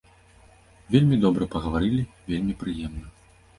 Вельмі добра пагаварылі, вельмі прыемна.